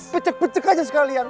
pecek pecek aja sekalian